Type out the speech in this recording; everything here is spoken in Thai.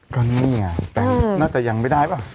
ก็นี่ไงแต่น่าจะยังไม่ได้ป่ะ